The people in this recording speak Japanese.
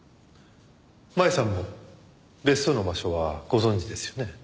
麻衣さんも別荘の場所はご存じですよね？